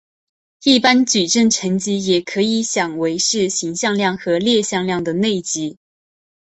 一般矩阵乘积也可以想为是行向量和列向量的内积。